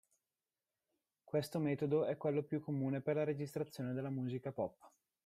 Questo metodo è quello più comune per la registrazione della musica pop.